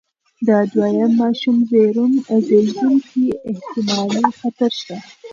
د دویم ماشوم زېږون کې احتمالي خطر شته.